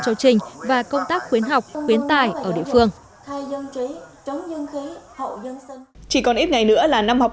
giáo trình và công tác khuyến học khuyến tài ở địa phương chỉ còn ít ngày nữa là năm học